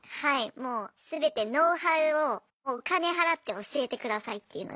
もう全てノウハウをお金払って教えてくださいっていうので。